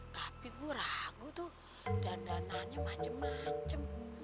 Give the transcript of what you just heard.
tapi gua ragu tuh dandanannya macem macem